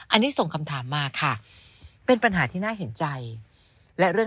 อันนี้ส่งคำถามมาค่ะเป็นปัญหาที่น่าเห็นใจและเรื่อง